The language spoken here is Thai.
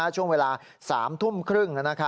ช่วงเวลา๓ทุ่มครึ่ง